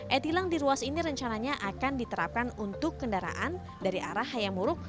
e tilang di ruas ini rencananya akan diterapkan untuk kendaraan dari arah hayamuruk